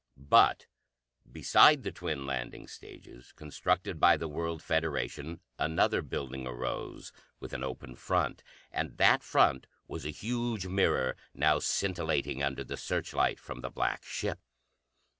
But beside the twin landing stages, constructed by the World Federation, another building arose, with an open front. And that front was a huge mirror, now scintillating under the searchlight from the black ship.